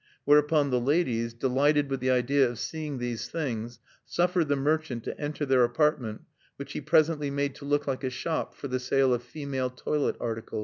Whereupon the ladies, delighted with the idea of seeing these things, suffered the merchant to enter their apartment, which he presently made to look like a shop for the sale of female toilet articles.